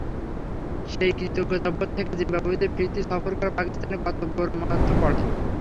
সেই কৃতজ্ঞতাবোধ থেকে জিম্বাবুয়েতে ফিরতি সফর করা পাকিস্তানের কর্তব্যের মধ্যে পড়ে।